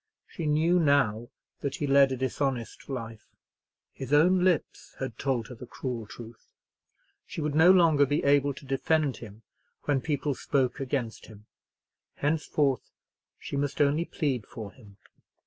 She knew now that he led a dishonest life. His own lips had told her the cruel truth. She would no longer be able to defend him when people spoke against him. Henceforth she must only plead for him.